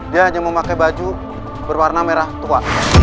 dia hanya memakai baju berwarna merah tua